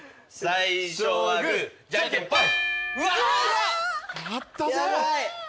最初はグーじゃんけんぽい。